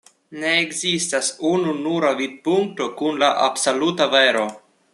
Ne ekzistas ununura vidpunkto kun la absoluta vero.